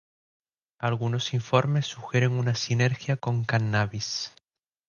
Algunos informes sugieren una sinergia con cannabis.